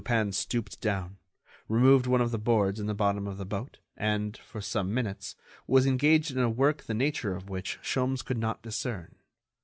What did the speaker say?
Lupin stooped down, removed one of the boards in the bottom of the boat, and, for some minutes, was engaged in a work the nature of which Sholmes could not discern.